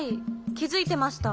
きづいてました。